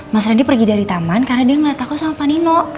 mas randy pergi dari taman karena dia ngeliat aku sama panino